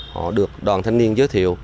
họ được đoàn thanh niên giới thiệu